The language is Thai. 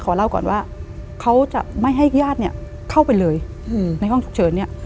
เล่าก่อนว่าเขาจะไม่ให้ญาติเนี่ยเข้าไปเลยในห้องฉุกเฉินเนี่ย